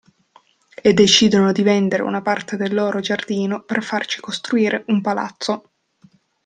E decidono di vendere una parte del loro giardino per farci costruire un palazzo.